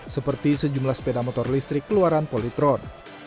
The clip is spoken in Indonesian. seperti sejumlah sepeda motor listrik keluaran polytron